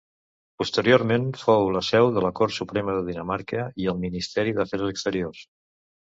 Posteriorment fou la seu de la Cort Suprema de Dinamarca i el Ministeri d'Afers Exteriors.